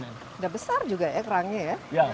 sudah besar juga ya kerangnya ya